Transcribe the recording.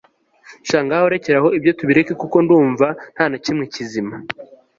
sha ngaho rekeraho ibyo tubireke kuko ndumva ntanakimwe kizima